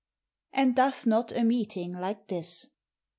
AND DOTH NUT A MEETING LIKE THIS.